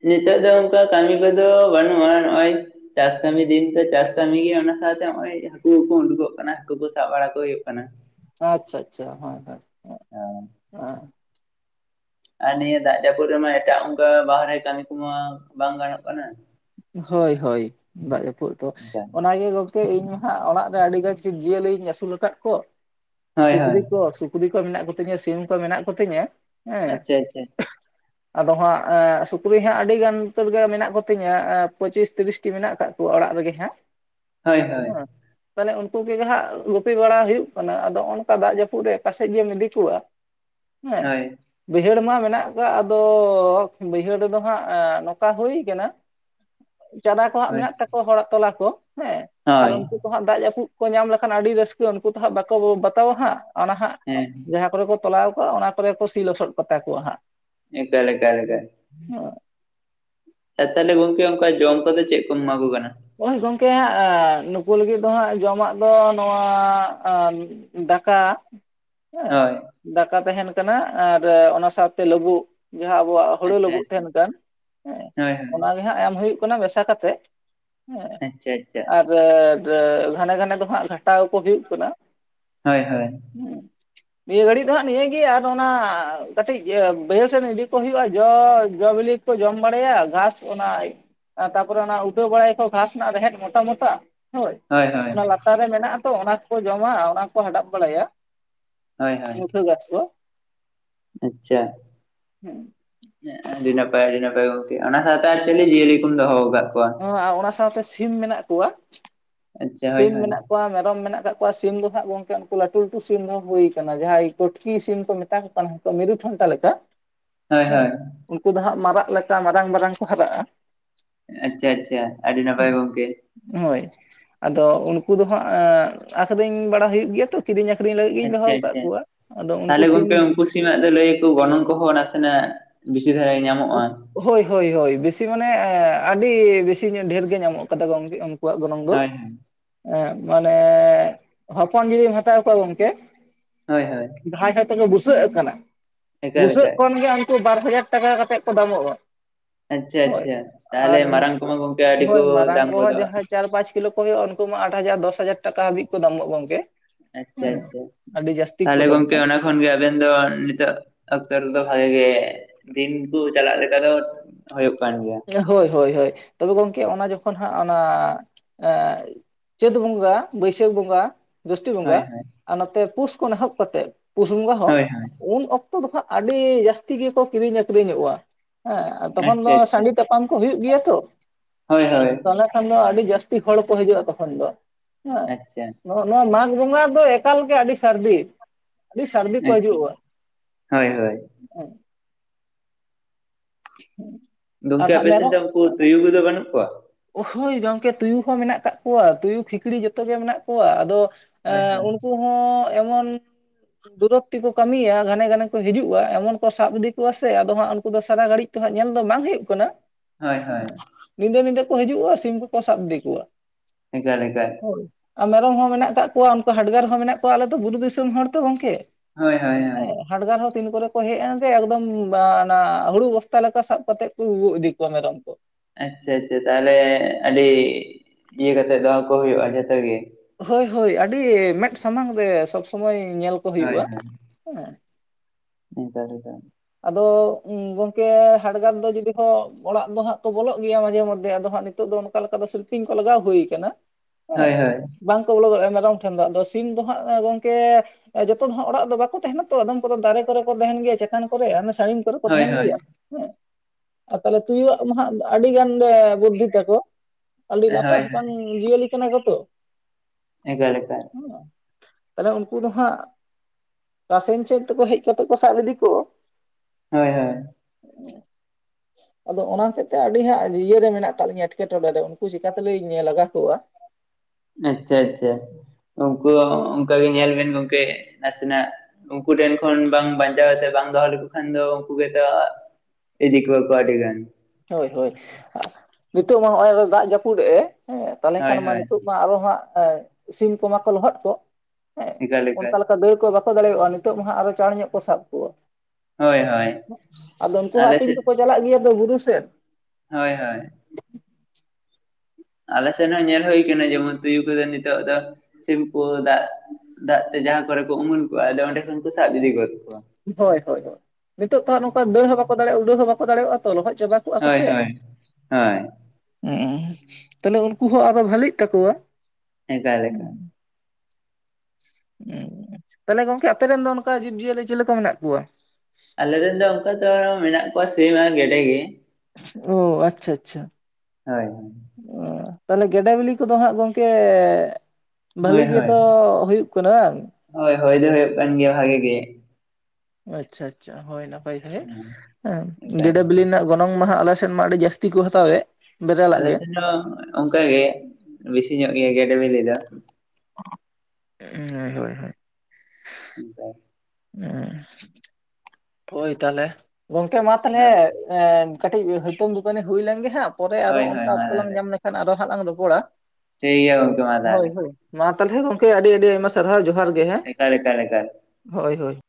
A: ᱱᱤᱛᱚᱜ ᱫᱚ ᱚᱱᱠᱟ ᱠᱟᱹᱢᱤ ᱠᱚᱫᱚ ᱵᱟᱹᱱᱩᱜᱼᱟ ᱱᱚᱜᱼᱚᱭ ᱪᱟᱥ ᱠᱟᱹᱢᱤ ᱫᱤᱱ ᱛᱚ ᱪᱟᱥ ᱠᱟᱹᱢᱤ ᱜᱮ ᱚᱱᱟ ᱥᱟᱶᱛᱮ ᱦᱚᱜ ᱚᱭ ᱦᱟᱠᱩ ᱠᱩ ᱠᱚ ᱩᱰᱩᱠᱚᱜ ᱠᱟᱱᱟ ᱦᱟᱠᱩ ᱠᱚ ᱥᱟᱵ ᱵᱟᱲᱟ ᱠᱚ ᱦᱩᱭᱩᱜ ᱠᱟᱱᱟ
B: ᱟᱪᱪᱷᱟ ᱟᱪᱪᱷᱟ ᱦᱳᱭ ᱦᱳᱭ
A: *inaudible* ᱟᱨ ᱱᱤᱭᱟᱹ ᱫᱟᱜ ᱡᱟᱯᱩᱫ ᱨᱮᱢᱟ ᱮᱴᱟᱜ ᱚᱱᱠᱟ ᱵᱟᱦᱨᱮ ᱠᱟᱹᱢᱤ ᱠᱚᱢᱟ ᱵᱟᱝ ᱜᱟᱱᱚᱜ ᱠᱟᱱᱟ
B: ᱦᱳᱭ ᱦᱳᱭ ᱫᱟᱜ ᱡᱟᱯᱩᱫ ᱛᱚ ᱚᱱᱟᱜᱮ ᱜᱚᱢᱠᱮ ᱤᱧ ᱢᱟ ᱦᱟᱸᱜ ᱚᱲᱟᱜ ᱨᱮ ᱟᱹᱰᱤᱜᱟᱱ ᱡᱤᱵᱽ ᱡᱤᱭᱟᱹᱞᱤᱧ ᱟᱹᱥᱩᱞ ᱟᱠᱟᱫ ᱠᱚ
A: ᱦᱳᱭ ᱦᱳᱭ
B: ᱥᱩᱠᱨᱤ ᱠᱚ ᱥᱩᱠᱨᱤ ᱥᱩᱠᱞᱤ ᱠᱚ ᱢᱮᱱᱟᱜ ᱠᱚᱛᱤᱧᱟ ᱥᱤᱢ ᱠᱚ ᱢᱮᱱᱟᱜ ᱠᱚᱛᱤᱧᱟ ᱦᱮᱸ
A: ᱟᱪᱪᱷᱟ ᱟᱪᱪᱷᱟ
B: ᱟᱫᱚ ᱦᱟᱸᱜ ᱥᱩᱠᱨᱤ ᱦᱟᱸᱜ ᱟᱹᱰᱤ ᱜᱟᱱ ᱩᱛᱟᱹᱨ ᱜᱮ ᱢᱮᱱᱟᱜ ᱠᱚᱛᱤᱧᱟ ᱯᱚᱸᱪᱤᱥ ᱛᱤᱨᱤᱥᱴᱤ ᱢᱮᱱᱟᱜ ᱠᱟᱜ ᱠᱚᱣᱟ ᱚᱲᱟᱜ ᱨᱮᱜᱮ ᱦᱟᱸᱜ
A: ᱦᱳᱭ ᱦᱳᱭ
B: ᱛᱟᱦᱚᱞᱮ ᱩᱱᱠᱩ ᱜᱮ ᱦᱟᱸᱜ ᱜᱩᱯᱤ ᱵᱟᱲᱟ ᱦᱩᱭᱩᱜ ᱠᱟᱱᱟ ᱟᱫᱚ ᱚᱱᱠᱟ ᱫᱟᱜ ᱡᱟᱹᱯᱩᱫ ᱨᱮ ᱚᱠᱟ ᱥᱮᱡ ᱡᱮᱢ ᱤᱫᱤ ᱠᱚᱣᱟ ᱦᱮᱸ
A: ᱦᱳᱭ
B: ᱵᱟᱹᱭᱦᱟᱹᱲ ᱢᱟ ᱢᱮᱱᱟᱜ ᱠᱟᱜ ᱟᱫᱚ ᱵᱟᱹᱭᱦᱟᱹᱲ ᱨᱮᱫᱚ ᱦᱟᱸᱜ ᱱᱚᱝᱠᱟ ᱦᱩᱭ ᱠᱟᱱᱟ ᱪᱟᱨᱟ ᱠᱚ ᱦᱟᱸᱜ
A: ᱦᱳᱭ
B: ᱢᱮᱱᱟᱜ ᱛᱟᱠᱚᱣᱟ ᱦᱚᱲᱟᱜ ᱛᱚᱞᱟ ᱠᱚ ᱦᱮᱸ ᱟᱨ
A: ᱦᱳᱭ
B: ᱩᱱᱠᱩ ᱩᱱ ᱦᱟᱸᱜ ᱫᱟᱜ ᱡᱟᱹᱯᱩᱫ ᱠᱚ ᱧᱟᱢ ᱞᱮᱠᱷᱟᱱ ᱟᱹᱰᱤ ᱨᱟᱹᱥᱠᱟᱹ ᱩᱱᱠᱩ ᱫᱚ ᱦᱟᱸᱜ ᱵᱟᱠᱚ ᱵᱟᱛᱟᱣᱟ ᱦᱟᱸᱜ ᱚᱱᱟ ᱦᱟᱸᱜ
A: ᱦᱮᱸ
B: ᱡᱟᱦᱟᱸ ᱠᱚᱨᱮ ᱠᱚ ᱛᱚᱞᱟᱣ ᱠᱟᱜᱼᱟ ᱚᱱᱟ ᱠᱚᱨᱮ ᱠᱚ ᱥᱤ ᱞᱚᱥᱚᱫ ᱠᱟᱛᱟ ᱠᱚᱣᱟ ᱦᱟᱸᱜ
A: ᱮᱠᱟᱞ ᱮᱠᱟᱞ ᱮᱠᱟᱞ
B: *inaudible*
A: ᱟᱨ ᱛᱟᱦᱚᱸᱞᱮ ᱜᱚᱝᱠᱮ ᱚᱱᱠᱟ ᱡᱚᱢ ᱠᱚᱫᱚ ᱪᱮᱫ ᱠᱚᱢ ᱮᱢᱟ ᱠᱚ ᱠᱟᱱᱟ
B: ᱦᱚᱭ ᱜᱚᱝᱠᱮ ᱦᱟᱸᱜ ᱱᱩᱠᱩ ᱞᱟᱹᱜᱤᱫ ᱫᱚ ᱦᱟᱸᱜ ᱡᱚᱢᱟᱜ ᱫᱚ ᱱᱚᱣᱟ ᱫᱟᱠᱟ ᱦᱮᱸ
A: ᱦᱳᱭ
B: ᱫᱟᱠᱟ ᱛᱟᱦᱮᱱ ᱠᱟᱱᱟ ᱟᱨ ᱚᱱᱟ ᱥᱟᱶᱛᱮ ᱞᱩᱵᱩᱜ ᱡᱟᱦᱟᱸ ᱟᱵᱚᱣᱟᱜ ᱦᱳᱲᱳ
A: ᱟᱪᱪᱷᱟ
B: ᱞᱳᱵᱳᱜ
A: ᱟᱪᱪᱷᱟ
B: ᱛᱟᱦᱮᱱ ᱠᱟᱱ ᱦᱮᱸ
A: ᱦᱳᱭ ᱦᱳᱭ
B: ᱚᱱᱟ ᱜᱮ ᱦᱟᱸᱜ ᱮᱢ ᱦᱩᱭᱩᱜ ᱠᱟᱱᱟ ᱢᱮᱥᱟ ᱠᱟᱛᱮ
A: ᱟᱪᱪᱷᱟ ᱟᱪᱪᱷᱟ
B: ᱜᱷᱟᱱᱮ ᱜᱷᱟᱱᱮ ᱫᱚ ᱦᱟᱸᱜ ᱜᱷᱟᱴᱟ ᱟᱠᱚ ᱦᱩᱭᱩᱜ ᱠᱟᱱᱟ
A: ᱦᱳᱭ ᱦᱳᱭ
B: ᱦᱩᱸ ᱱᱤᱭᱟᱹ ᱜᱷᱟᱹᱲᱤᱡ ᱫᱚ ᱦᱟᱸᱜ ᱱᱤᱭᱟᱹᱜ ᱜᱮ ᱟᱨ ᱚᱱᱟ ᱠᱟᱹᱴᱤᱡ ᱵᱟᱹᱭᱦᱟᱹᱲ ᱥᱮᱱ ᱤᱫᱤ ᱠᱚ ᱦᱩᱭᱩᱜᱼᱟ ᱡᱚ ᱡᱚ ᱵᱤᱞᱤ *inaudible* ᱡᱚᱢ ᱵᱟᱲᱟᱭᱟ ᱜᱷᱟᱥ ᱚᱱᱟ ᱛᱟᱯᱚᱨᱮ ᱚᱱᱟ ᱩᱴᱟᱹ ᱵᱟᱲᱟᱭ ᱭᱟᱠᱚ ᱜᱷᱟᱥ ᱱᱟᱜ ᱨᱮᱦᱮᱫ ᱢᱚᱴᱟ ᱢᱚᱴᱟ ᱦᱳᱭ ᱚᱱᱟ ᱞᱟᱛᱟᱨ ᱨᱮ ᱢᱮᱱᱟᱜᱼᱟ ᱛᱚ ᱚᱱᱟ ᱠᱚ ᱡᱚᱢᱟ ᱚᱱᱟ ᱠᱚ ᱦᱟᱰᱟᱵ ᱵᱟᱲᱟᱭᱟ
A: ᱦᱳᱭ ᱦᱳᱭ
B: *inaudible* ᱜᱟᱪᱷᱚ ᱠᱚ
A: ᱟᱪᱪᱷᱟ
B: ᱦᱮᱸ
A: ᱟᱹᱰᱤ ᱱᱟᱯᱟᱭ ᱟᱹᱰᱤ ᱱᱟᱯᱟᱭ ᱜᱚᱝᱠᱮ ᱚᱱᱟ ᱥᱟᱶᱛᱮ ᱟᱨ ᱪᱤᱞᱤ ᱡᱤᱭᱟᱹᱞᱤ ᱠᱚᱢ ᱫᱚᱦᱚᱸ ᱟᱠᱟᱫ ᱠᱚᱣᱟ
B: ᱦᱚᱸ ᱟᱨ ᱚᱱᱟ ᱥᱟᱶᱛᱮ ᱥᱤᱢ ᱢᱮᱱᱟᱜ ᱠᱚᱣᱟ
A: ᱟᱪᱪᱷᱟ ᱦᱳᱭ
B: ᱥᱤᱢ
A: ᱦᱳᱭ
B: ᱢᱮᱱᱟᱜ ᱠᱚᱣᱟ ᱢᱮᱨᱚᱢ ᱢᱮᱱᱟᱜ ᱟᱠᱟᱫ ᱠᱚᱣᱟ ᱥᱤᱢ ᱫᱚ ᱦᱟᱸᱜ ᱜᱚᱝᱠᱮ ᱩᱱᱠᱩ ᱞᱟᱹᱴᱩ ᱞᱟᱹᱴᱩ ᱥᱤᱢ ᱫᱚᱦᱚᱸ ᱦᱩᱭ ᱠᱟᱱᱟ ᱡᱟᱦᱟᱸᱭ ᱯᱩᱴᱠᱤ ᱥᱤᱢ ᱠᱚ ᱢᱮᱛᱟ ᱠᱚ ᱠᱟᱱᱟ ᱢᱤᱨᱩ ᱴᱷᱚᱱᱴᱟ ᱞᱮᱠᱟ
A: ᱦᱳᱭ ᱦᱳᱭ
B: ᱩᱱᱠᱩ ᱫᱚ ᱦᱟᱸᱜ ᱢᱟᱨᱟᱜ ᱞᱮᱠᱟ ᱢᱟᱨᱟᱝ ᱢᱟᱨᱟᱝ ᱠᱚ ᱦᱟᱨᱟᱜᱼᱟ
A: ᱟᱪᱪᱷᱟ ᱟᱪᱪᱷᱟ ᱟᱹᱰᱤ ᱱᱟᱯᱟᱭ ᱜᱚᱝᱠᱮ
B: ᱦᱳᱭ ᱟᱫᱚ ᱩᱱᱠᱩ ᱫᱚ ᱦᱟᱸᱜ ᱟᱠᱷᱨᱤᱧ ᱵᱟᱲᱟ ᱦᱩᱭᱩᱜ ᱜᱮᱭᱟ ᱛᱚ ᱠᱤᱨᱤᱧ ᱟᱠᱷᱨᱤᱧ ᱞᱟᱹᱜᱤᱫ ᱜᱤᱧ ᱫᱚᱦᱚ
A: ᱟᱪᱪᱷᱟ
B: ᱟᱠᱟᱫ ᱠᱚᱣᱟ ᱟᱫᱚ ᱩᱱᱠᱩ ᱥᱤᱢ
A: ᱥᱤᱢ ᱟᱜ ᱫᱚ ᱞᱟᱹᱭᱟᱠᱚ ᱜᱚᱱᱚᱝ ᱠᱚᱦᱚᱸ ᱱᱟᱥᱮᱱᱟᱜ ᱵᱮᱥᱤ ᱫᱷᱟᱨᱟ ᱧᱟᱢ
B: ᱦᱳᱭ ᱦᱳᱭ ᱦᱳᱭ ᱵᱤᱥᱤ ᱢᱟᱱᱮ ᱟᱹᱰᱤ ᱵᱮᱥᱤ ᱧᱚᱜ ᱰᱷᱮᱨ ᱜᱮ ᱧᱟᱢᱚᱜ ᱠᱟᱫᱟ ᱜᱳᱢᱠᱮᱼᱼ ᱩᱱᱠᱩᱣᱟᱜ ᱜᱚᱱᱚᱝ ᱫᱚ
A: ᱦᱳᱭ
B: ᱢᱟᱱᱮ ᱦᱚᱯᱚᱱ ᱡᱩᱫᱤᱢ ᱦᱟᱛᱟᱣ ᱠᱚᱣᱟ ᱜᱚᱝᱠᱮ
A: ᱦᱳᱭ ᱦᱳᱭ
B: ᱡᱟᱦᱟᱸᱭ ᱠᱷᱟᱹᱭᱟᱹᱛ ᱠᱚ ᱵᱩᱥᱟᱹᱜ ᱠᱟᱱᱟ
A: ᱮᱠᱟᱞ
B: ᱵᱩᱥᱟᱹᱜ
A: ᱮᱠᱟᱞ
B: ᱠᱷᱚᱱ ᱜᱮ ᱩᱱᱠᱩ ᱵᱟᱨ ᱦᱟᱡᱟᱨ ᱴᱟᱠᱟᱼᱼ ᱥᱮᱫ ᱠᱚ ᱫᱟᱢᱚᱜᱼᱟ
A: ᱟᱪᱪᱷᱟ
B: ᱦᱳᱭ
A: ᱟᱪᱪᱷᱟ
B: ᱟᱨ
A: ᱛᱟᱦᱚᱞᱮ ᱢᱟᱨᱟᱝ ᱠᱚᱢᱟ ᱜᱚᱝᱠᱮ ᱟᱹᱰᱤ
B: ᱦᱳᱭ
A: ᱠᱚ
B: ᱢᱟᱨᱟᱝ
A: ᱫᱟᱢ
B: ᱠᱚᱦᱚᱸ
A: ᱜᱚᱫᱚᱜᱼᱟ
B: ᱡᱟᱦᱟᱸᱭ ᱪᱟᱨ ᱯᱟᱸᱪ ᱠᱤᱞᱳ ᱠᱚ ᱦᱩᱭᱩᱜᱼᱟ ᱩᱱᱠᱩ ᱢᱟ ᱟᱴ ᱦᱟᱡᱟᱨ ᱫᱚᱥ ᱦᱟᱡᱟᱨ ᱴᱟᱠᱟ ᱦᱟᱹᱵᱤᱡ ᱠᱚ ᱫᱟᱢᱚᱜᱼᱟ ᱜᱚᱢᱠᱮ
A: ᱟᱪᱪᱷᱟ ᱟᱪᱪᱷᱟ ᱛᱟᱦᱞᱮ
B: ᱜᱮᱠᱚ
A: ᱜᱚᱝᱠᱮ
B: ᱫᱟᱢᱚᱜᱼᱟ
A: ᱚᱱᱟ ᱠᱷᱚᱱ ᱜᱮ ᱟᱵᱮᱱ ᱫᱚ ᱱᱤᱛᱚᱜ ᱚᱠᱛᱚ ᱨᱮᱫᱚ ᱵᱷᱟᱜᱮ ᱜᱮ ᱫᱤᱱ ᱠᱩ ᱪᱟᱞᱟᱜ ᱞᱮᱠᱟ ᱫᱚ ᱦᱳᱭᱳᱜ ᱠᱟᱱ ᱜᱮᱭᱟ
B: ᱦᱳᱭ ᱦᱳᱭ ᱦᱳᱭ ᱛᱚᱵᱮ ᱜᱚᱢᱠᱮ ᱚᱱᱟ ᱡᱚᱠᱷᱚᱱ ᱦᱟᱸᱜ ᱚᱱᱟ ᱮ ᱪᱟᱹᱛ ᱵᱚᱸᱜᱟ ᱵᱟᱹᱭᱥᱟᱹᱠᱷ ᱵᱚᱸᱜᱟ ᱡᱚᱥᱴᱤ
A: ᱦᱳᱭ
B: ᱵᱚᱸᱜᱟ
A: ᱦᱳᱭ
B: ᱟᱨ ᱱᱚᱛᱮ ᱯᱩᱥ ᱠᱚ ᱮᱦᱚᱵ ᱠᱟᱛᱮᱜ ᱯᱩᱥ ᱵᱚᱸᱜᱟ ᱦᱚᱸ
A: ᱦᱳᱭ ᱦᱳᱭ
B: ᱩᱱ ᱚᱠᱛᱚ ᱫᱚ ᱦᱟᱸᱜ ᱟᱹᱰᱤ ᱡᱟᱹᱥᱛᱤ ᱜᱮᱠᱚ ᱠᱤᱨᱤᱧ ᱟᱹᱠᱷᱨᱤᱧᱚᱜᱼᱟ ᱦᱮᱸ ᱛᱚᱠᱷᱚᱱ
A: ᱟᱪᱪᱷᱟ
B: ᱫᱚ
A: ᱟᱪᱪᱷᱟ
B: ᱥᱟᱺᱰᱤ ᱛᱟᱯᱟᱢ ᱠᱚ ᱦᱩᱭᱩᱜ ᱜᱮᱭᱟ ᱛᱚ
A: ᱦᱳᱭ ᱦᱳᱭ
B: ᱠᱷᱚᱱ ᱫᱚ ᱟᱹᱰᱤ ᱡᱟᱹᱥᱛᱤ ᱦᱚᱲ ᱠᱚ ᱦᱤᱡᱩᱜᱼᱟ ᱛᱚᱠᱷᱚᱱ ᱫᱚ ᱦᱮᱸ
A: ᱟᱪᱪᱷᱟ
B: ᱱᱚᱜ ᱱᱚᱣᱟ ᱢᱟᱜᱽ ᱵᱚᱸᱜᱟ ᱫᱚ ᱮᱠᱟᱞ ᱜᱮ ᱟᱹᱰᱤ ᱥᱟᱹᱨᱫᱤ ᱟᱹᱰᱤ ᱥᱟᱹᱨᱫᱤ ᱠᱚ
A: ᱟᱪᱪᱷᱟ
B: ᱦᱤᱡᱩᱜᱼᱟ
A: ᱦᱳᱭ ᱦᱳᱭ
B: *unintelligible* ᱟᱨ
A: ᱜᱚᱝᱠᱮ
B: ᱦᱟᱸᱜ
A: ᱟᱯᱮ ᱥᱮᱱ
B: ᱢᱮᱨᱚᱢ
A: ᱫᱚ ᱩᱱᱠᱩ ᱛᱩᱭᱩ ᱠᱚᱫᱚ ᱵᱟᱹᱱᱩᱜ ᱠᱚᱣᱟ
B: ᱦᱳᱭ ᱜᱚᱝᱠᱮ ᱛᱩᱭᱩ ᱦᱚᱸ ᱢᱮᱱᱟᱜ ᱠᱟᱜ ᱠᱚᱣᱟ ᱛᱩᱭᱩ ᱠᱷᱤᱠᱲᱤ ᱡᱚᱛᱚ ᱜᱮ ᱢᱮᱱᱟᱜ ᱠᱚᱣᱟ ᱟᱫᱚ
A: ᱦᱳᱭ ᱦᱳᱭ
B: ᱩᱱᱠᱩ ᱦᱚᱸ ᱮᱢᱚᱱ ᱫᱩᱨᱚᱛ ᱛᱤᱠᱚ ᱠᱟᱹᱢᱤᱭᱟ ᱜᱷᱟᱱᱮ ᱜᱷᱟᱱᱮ ᱠᱚ ᱦᱤᱡᱩᱜᱼᱟ ᱮᱢᱚᱱ ᱠᱚ ᱥᱟᱵ ᱤᱫᱤ ᱠᱚᱣᱟ ᱥᱮ ᱟᱫᱚ ᱦᱟᱸᱜ ᱩᱱᱠᱩ ᱫᱚ ᱥᱟᱨᱟ ᱜᱷᱟᱹᱲᱤᱡ ᱦᱟᱸᱜ ᱧᱮᱞ ᱫᱚ ᱵᱟᱝ ᱦᱩᱭᱩᱜ ᱠᱟᱱᱟ
A: ᱦᱳᱭ
B: ᱦᱮᱸ
A: ᱦᱳᱭ
B: ᱧᱤᱫᱟᱹ ᱧᱤᱫᱟᱹ ᱠᱚ ᱦᱤᱡᱩᱜᱼᱟ ᱥᱤᱢ ᱠᱚᱠᱚ ᱥᱟᱵ ᱤᱫᱤ ᱠᱚᱣᱟ
A: ᱦᱮ *inaudible*
B: ᱦᱳᱭ ᱟᱨ ᱢᱮᱨᱚᱢ ᱦᱚᱸ ᱢᱮᱱᱟᱜ ᱠᱟᱫ ᱠᱚᱣᱟ ᱩᱱᱠᱩ ᱦᱟᱰᱜᱟᱨ ᱦᱚᱸ ᱢᱮᱱᱟᱜ ᱠᱚᱣᱟ ᱟᱞᱮ ᱫᱚ ᱵᱩᱨᱩ ᱫᱤᱥᱚᱢ ᱦᱚᱲ ᱛᱚ ᱜᱚᱢᱠᱮ
A: ᱦᱳᱭ ᱦᱳᱭ ᱦᱳᱭ
B: ᱦᱟᱰᱜᱟᱨ ᱦᱚᱸ ᱛᱤᱱ ᱠᱚᱨᱮ ᱠᱚ ᱦᱮᱡ ᱮᱱ ᱜᱮ ᱮᱠᱫᱚᱢ ᱵᱟᱱᱟ ᱦᱩᱲᱩ ᱵᱚᱥᱛᱟ ᱞᱮᱠᱟ ᱥᱟᱵ ᱠᱟᱛᱮᱫ ᱠᱚ ᱜᱩᱜᱩ ᱤᱫᱤ ᱠᱚᱣᱟ ᱢᱮᱨᱚᱢ ᱠᱚ
A: ᱟᱪᱪᱷᱟ ᱟᱪᱪᱷᱟ ᱛᱟᱦᱚᱞᱮ ᱟᱹᱰᱤ ᱤᱭᱟᱹ ᱠᱟᱛᱮᱜ ᱫᱚᱦᱚ ᱠᱚ ᱦᱩᱭᱩᱜᱼᱟ ᱡᱷᱚᱛᱚ ᱜᱮ
B: ᱦᱳᱭ ᱦᱳᱭ ᱟᱹᱰᱤ ᱢᱮᱫ ᱥᱟᱢᱟᱝ ᱨᱮ ᱥᱚᱵᱽ ᱥᱚᱢᱚᱭ ᱧᱮᱞ ᱠᱚ
A: ᱦᱳᱭ
B: ᱦᱩᱭᱩᱜᱼᱟ
A: ᱦᱳᱭ
B: ᱦᱮᱸ
A: *inaudible*
B: ᱟᱫᱚ ᱜᱚᱢᱠᱮ ᱦᱟᱰᱜᱟᱨ ᱫᱚ ᱡᱩᱫᱤ ᱦᱚ ᱚᱲᱟᱜ ᱫᱚ ᱦᱟᱸᱜ ᱵᱚᱞᱚᱜ ᱜᱮᱭᱟ ᱢᱟᱡᱷᱮ ᱢᱚᱫᱽᱫᱷᱮ ᱟᱫᱚ ᱦᱟᱸᱜ ᱱᱤᱛᱚᱜ ᱫᱚ ᱚᱱᱠᱟ ᱞᱮᱠᱟ ᱫᱚ ᱥᱤᱞᱯᱤᱧ ᱠᱚ ᱞᱟᱜᱟᱣ ᱦᱩᱭ ᱠᱟᱱᱟ ᱦᱮᱸ
A: ᱦᱳᱭ ᱦᱳᱭ
B: ᱵᱟᱝ ᱵᱚᱞᱚ ᱫᱟᱲᱮᱭᱟᱜᱼᱟ ᱢᱮᱨᱚᱢ ᱴᱷᱮᱱ ᱫᱚ᱾ ᱟᱫᱚ ᱥᱤᱢ ᱫᱚ ᱦᱟᱸᱜ ᱜᱚᱝᱠᱮ? ᱡᱚᱛᱚ ᱫᱚᱦᱟᱸᱜ ᱚᱲᱟᱜ ᱫᱚ ᱵᱟᱠᱚ ᱛᱟᱦᱮᱸᱱᱟ᱾ ᱛᱚ ᱟᱫᱚᱢ ᱠᱚᱫᱚᱢ ᱫᱟᱨᱮ ᱠᱚᱨᱮ ᱠᱚ ᱛᱟᱦᱮᱱ ᱜᱮᱭᱟ᱾ ᱪᱮᱛᱟᱱ ᱠᱚᱨᱮ ᱥᱟᱹᱲᱤᱢ ᱠᱚᱨᱮ ᱠᱚ
A: ᱦᱳᱭ
B: ᱛᱟᱦᱮᱸᱱ ᱜᱮᱭᱟ᱾ ᱦᱮᱸ ᱛᱟᱦᱚᱞᱮ ᱛᱩᱭᱩᱣᱟᱜ ᱢᱟ ᱟᱹᱰᱤ ᱜᱟᱱ ᱵᱩᱨᱫᱷᱤ ᱛᱟᱠᱚ᱾ ᱟᱹᱰᱤ ᱫᱟᱥᱮ
A: ᱦᱳᱭ ᱦᱳᱭ
B: ᱦᱟᱛᱟᱝ ᱡᱤᱭᱟᱹᱞᱤ ᱠᱟᱱᱟ ᱠᱚᱛᱚ
A: ᱮᱜᱟᱨ *inaudible*
B: ᱦᱩᱸ ᱛᱟᱦᱚᱞᱮ ᱩᱱᱠᱩ ᱫᱚ ᱦᱟᱸᱜ *inaudible* ᱥᱮᱫ ᱛᱮᱠᱚ ᱦᱮᱡ ᱠᱟᱛᱮ ᱠᱚ ᱥᱟᱵ ᱤᱫᱤ ᱠᱚ
A: ᱦᱳᱭ ᱦᱳᱭ
B: *inaudible* ᱟᱫᱚ ᱚᱱᱟ ᱦᱚᱛᱮᱡ ᱛᱮ ᱟᱹᱰᱤ ᱦᱟᱸᱜ ᱤᱭᱟᱹ ᱨᱮ ᱢᱮᱱᱟᱜ ᱟᱠᱟᱫ ᱞᱤᱧᱟᱹ ᱮᱴᱠᱮᱴᱚᱬᱮ ᱨᱮ ᱩᱱᱠᱩ ᱪᱤᱠᱟᱛᱮᱞᱤᱧ ᱧᱮ ᱞᱟᱜᱟ ᱠᱚᱣᱟ
A: ᱟᱪᱪᱷᱟ ᱟᱪᱪᱷᱟ ᱩᱱᱠᱩ ᱚᱱᱠᱟᱜᱮ ᱧᱮᱞ ᱵᱮᱱ ᱜᱚᱝᱠᱮ ᱱᱟᱥᱮᱱᱟᱜ ᱩᱱᱠᱩ ᱴᱷᱮᱱ ᱠᱷᱚᱱ ᱵᱟᱝ ᱵᱟᱧᱪᱟᱣ ᱠᱟᱛᱮ ᱵᱟᱝ ᱫᱚᱦᱚ ᱞᱮᱠᱚ ᱠᱷᱟᱱ ᱫᱚ ᱩᱱᱠᱩ ᱜᱮᱛᱚ ᱤᱫᱤ ᱠᱚᱣᱟ ᱠᱚ ᱟᱰᱤ ᱜᱟᱱ
B: ᱦᱳᱭ ᱦᱳᱭ ᱱᱤᱛᱚᱜ ᱢᱟ ᱦᱚᱜᱼᱚᱭ ᱫᱟᱜ ᱡᱟᱹᱯᱩᱫ ᱮ ᱦᱮᱸ ᱛᱟᱦᱚᱞᱮ
A: ᱦᱳᱭ
B: ᱠᱷᱟᱱ ᱢᱟ
A: ᱦᱳᱭ
B: ᱱᱤᱛᱚᱜ ᱢᱟ ᱟᱨᱚ ᱦᱟᱸᱜ ᱥᱤᱢ ᱠᱚᱢᱟᱠᱚ ᱞᱚᱦᱚᱫ ᱠᱚᱜ᱾ ᱦᱮᱸ
A: ᱮᱠᱟᱞ
B: ᱚᱱᱠᱟ
A: ᱮᱠᱟᱞ
B: ᱞᱮᱠᱟ ᱫᱟᱹᱲ ᱠᱚ ᱵᱟᱠᱚ ᱵᱟᱝ ᱠᱚ ᱫᱟᱲᱮᱭᱟᱜᱼᱟ ᱱᱤᱛᱚᱜ ᱢᱟ ᱟᱸᱜ ᱟᱫᱚ ᱪᱟᱬ ᱧᱚᱜ ᱠᱚ ᱥᱟᱵ ᱠᱚᱣᱟ
A: ᱦᱳᱭ ᱦᱳᱭ
B: ᱟᱫᱚ ᱩᱱᱠᱩ
A: ᱟᱞᱮ
B: ᱟᱹᱛᱤᱧ
A: ᱥᱮᱫ
B: ᱠᱚ ᱪᱟᱞᱟᱜ ᱜᱮᱭᱟ ᱠᱚ ᱵᱩᱨᱩ ᱥᱮᱫ᱾
A: ᱦᱳᱭ ᱦᱳᱭ, ᱟᱞᱮ ᱥᱮᱫ ᱦᱚᱸ ᱧᱮᱞ ᱦᱩᱭ ᱠᱟᱱᱟ ᱡᱮᱢᱚᱱ ᱛᱩᱭᱩ ᱠᱚᱫᱚ ᱱᱤᱛᱚᱜ ᱫᱚ ᱥᱤᱢᱠᱩ ᱫᱟᱜ ᱫᱟᱜ ᱛᱮ ᱡᱟᱦᱟᱸ ᱠᱚᱨᱮ ᱠᱚ ᱩᱢᱩᱞ ᱠᱚᱣᱟ᱾ ᱟᱫᱚ ᱚᱸᱰᱮ ᱠᱷᱚᱱ ᱠᱚ ᱥᱟᱵ ᱤᱫᱤ ᱜᱚᱫ ᱠᱚᱣᱟ᱾
B: ᱦᱳᱭ ᱦᱳᱭ ᱦᱳᱭ ᱱᱤᱛᱚᱜ ᱛᱚ ᱦᱟᱜ ᱱᱚᱝᱠᱟ ᱫᱟᱹᱲ ᱦᱚᱸ ᱵᱟᱠᱚ ᱫᱟᱲᱮᱭᱟᱜᱼᱟ᱾ ᱩᱰᱟᱹᱣ ᱦᱚᱸ ᱵᱟᱠᱚ ᱫᱟᱲᱮᱭᱟᱜᱼᱟ᱾ ᱛᱚ ᱞᱚᱦᱚᱫ ᱪᱟᱵᱟ ᱠᱚᱜᱼᱟ
A: ᱦᱳᱭ ᱦᱳᱭ ᱦᱳᱭ,
B: ᱩᱸᱜᱦᱚᱧ ᱛᱟᱦᱚᱞᱮ ᱩᱱᱠᱩ ᱦᱚᱸ ᱟᱨᱚ ᱵᱷᱟᱞᱤᱜ ᱛᱟᱠᱚᱣᱟ
A: ᱮᱠᱟᱞ ᱮᱠᱟᱞ
B: ᱛᱟᱦᱞᱮ ᱜᱚᱝᱠᱮ ᱟᱯᱮ ᱨᱮᱱ ᱫᱚ ᱚᱱᱠᱟ ᱡᱤᱵ ᱡᱤᱭᱟᱹᱞᱤ ᱪᱮᱞᱮ ᱠᱚ ᱢᱮᱱᱟᱜ ᱠᱚᱣᱟ᱾
A: ᱟᱞᱮᱨᱮᱱ ᱫᱚ ᱚᱱᱠᱟ ᱫᱚ ᱢᱮᱱᱟᱜ ᱠᱚᱣᱟ ᱥᱤᱢ ᱟᱨ ᱜᱮᱰᱮ ᱜᱮ᱾
B: ᱚ ᱟᱪᱷᱟ ᱟᱪᱷᱟ
A: ᱦᱳᱭ ᱦᱳᱭ
B: ᱚ ᱛᱟᱦᱞᱮ ᱜᱮᱰᱮ ᱵᱤᱞᱤ ᱠᱚᱫᱚ ᱦᱟᱸᱜ ᱜᱚᱝᱠᱮ ᱵᱷᱟᱹᱞᱤ
A: ᱦᱳᱭ ᱦᱳᱭ
B: ᱜᱮᱛᱚ ᱦᱩᱭᱩᱜ ᱠᱟᱱᱟ᱾
A: ᱦᱳᱭ ᱦᱳᱭ ᱫᱚ ᱦᱩᱭᱩᱜ ᱠᱟᱱ ᱜᱮᱭᱟ ᱵᱷᱟᱜᱮ ᱜᱮ᱾
B: ᱟᱪᱪᱷᱟ ᱟᱪᱪᱷᱟ ᱦᱳᱭ ᱱᱟᱯᱟᱭ ᱦᱮᱸ,
A: ᱮᱠᱟᱞ
B: ᱜᱮᱰᱮ ᱵᱤᱞᱤ
A: ᱮᱠᱟᱞ
B: ᱨᱮᱱᱟᱜ ᱜᱚᱱᱚᱝ ᱢᱟ ᱦᱟᱜ ᱟᱞᱮ ᱴᱷᱮᱱ ᱢᱟ ᱟ. ᱰᱤ ᱡᱟᱥᱛᱤ ᱠᱚ ᱦᱟᱛᱟᱣᱮᱫ ᱵᱮᱨᱮᱞᱟᱜ
A: ᱟᱞᱮ
B: ᱜᱮ
A: ᱥᱮᱫ ᱦᱚᱸ ᱚᱱᱠᱟᱜᱮ ᱵᱮᱥᱤ ᱧᱚᱜ ᱜᱮᱭᱟ ᱜᱮᱰᱮ ᱵᱤᱞᱤ ᱫᱚ᱾
B: ᱦᱮᱸ ᱦᱳᱭ ᱦᱳᱭ,
A: *unintelligible*
B: ᱚᱸᱜᱦᱚᱧᱻ ᱦᱳᱭ ᱛᱟᱦᱚᱞᱮ ᱜᱚᱝᱠᱮ ᱢᱟ ᱛᱟᱦᱚᱞᱮ
A: ᱦᱳᱭ
B: ᱮ ᱠᱟᱹᱴᱤᱡ ᱦᱩᱛᱩᱢ ᱫᱟᱹᱛᱟ. ᱱᱤ ᱦᱩᱭ ᱞᱮᱱ ᱜᱮ ᱦᱟᱸᱜ᱾ ᱯᱚᱨᱮ ᱟᱨᱚ
A: ᱦᱳᱭ ᱦᱳᱭ
B: ᱚᱱᱠᱟ
A: ᱢᱟ
B: ᱚᱠᱛᱚ ᱞᱟᱝ
A: ᱛᱟᱦᱚᱞᱮ
B: ᱧᱟᱢ ᱞᱮᱠᱷᱟᱱ ᱟᱨᱚ ᱦᱟᱸᱜ ᱞᱟᱝ ᱨᱚᱯᱚᱲᱟ᱾
A: ᱴᱷᱤᱠ ᱜᱮᱭᱟ ᱜᱚᱝᱠᱮ ᱢᱟ
B: ᱦᱳᱭ
A: ᱛᱟᱦᱞᱮ
B: ᱦᱳᱭ ᱢᱟ ᱛᱟᱦᱚᱞᱮ ᱜᱚᱝᱠᱮ ᱟᱹᱰᱤ ᱟᱹᱰᱤ ᱟᱭᱢᱟ ᱥᱟᱨᱦᱟᱣ ᱡᱚᱦᱟᱨ ᱜᱮ ᱦᱮᱸ᱾
A: ᱮᱠᱟᱞ ᱮᱠᱟᱞ ᱮᱠᱟᱞ
B: ᱦᱳᱭ ᱦᱳᱭ